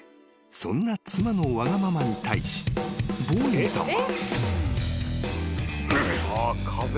［そんな妻のわがままに対しボーインさんは］